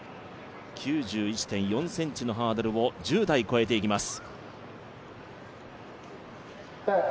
９１．４ｃｍのハードルを１０台越えていきます。